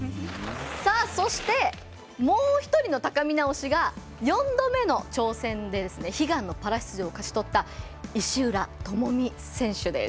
そして、もう１人のたかみな推しが４度目の出場で悲願のパラ出場を勝ち取った石浦智美選手です。